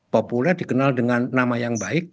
populer dikenal dengan nama yang baik